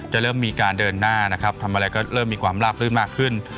เริ่มมีการเดินหน้านะครับทำอะไรก็เริ่มมีความลาบลื่นมากขึ้น